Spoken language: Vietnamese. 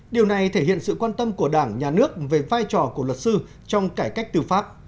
điều này thể hiện sự quan tâm của đảng nhà nước về vai trò của luật sư trong cải cách tư pháp